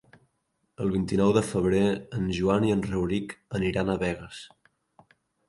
El vint-i-nou de febrer en Joan i en Rauric aniran a Begues.